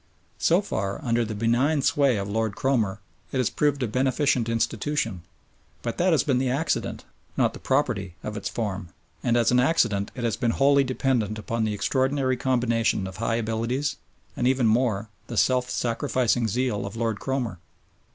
So far, under the benign sway of Lord Cromer, it has proved a beneficent institution, but that has been the accident, not the property of its form, and as an accident it has been wholly dependent upon the extraordinary combination of high abilities, and, even more, the self sacrificing zeal of Lord Cromer.